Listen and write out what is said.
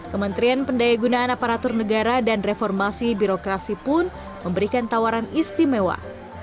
kementerian pendaya gunaan aparatur negara dan reformasi birokrasi pun memberikan tawaran istimewa